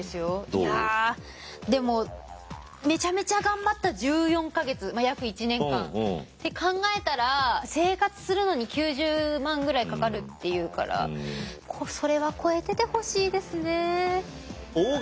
いやでもめちゃめちゃ頑張った１４か月約１年間って考えたら生活するのに９０万ぐらいかかるっていうからそれは超えててほしいですね。